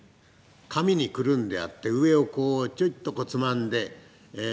紙にくるんであって上をこうちょいっとつまんでええ